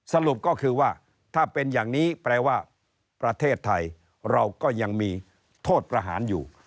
สรุปก็คือว่าถ้าเป็นอย่างนี้แปลว่าประเทศไทยเราก็ยังมีโทษประหารอยู่